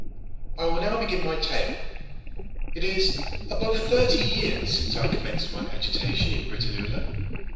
I will now begin my tale. It is above thirty years since I commenced my agitation in Britannula.